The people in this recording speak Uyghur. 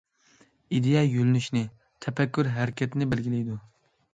ئىدىيە يۆنىلىشنى، تەپەككۇر ھەرىكەتنى بەلگىلەيدۇ.